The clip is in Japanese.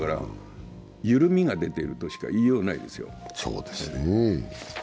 緩みが出てるとしか言いようがないですよ。